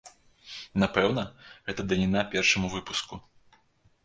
Напэўна, гэта даніна першаму выпуску.